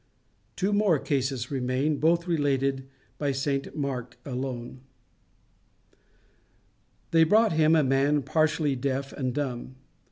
Two more cases remain, both related by St Mark alone. They brought him a man partially deaf and dumb.